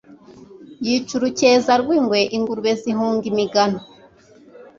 Yica urukeza rw'ingwe ingurube zihunga imigano